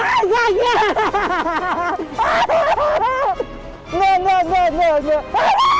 tidak tidak tidak